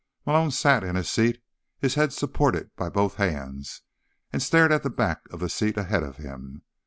Malone sat in his seat, his head supported by both hands, and stared at the back of the seat ahead of him.